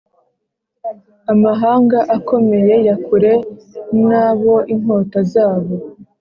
amahanga akomeye ya kure na bo inkota zabo